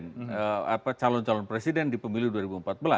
dan juga terkait dengan calon calon presiden di pemiliu dua ribu empat belas